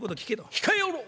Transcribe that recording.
控えおろう。